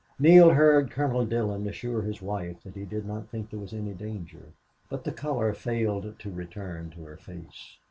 Neale heard Colonel Dillon assure his wife that he did not think there was any danger. But the color failed to return to her face.